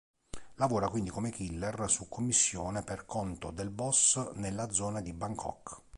Lavora quindi come killer su commissione per conto del boss nella zona di Bangkok.